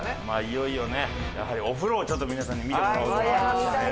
まあいよいよねやはりお風呂をちょっと皆さんに見て。